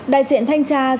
đại diện thanh trang